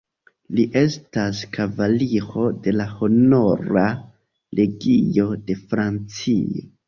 Li estas kavaliro de la Honora Legio de Francio.